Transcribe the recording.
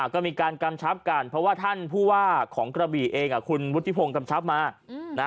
ก็มีการกำชับกันเพราะว่าท่านผู้ว่าของกระบี่เองคุณวุฒิพงศ์กำชับมา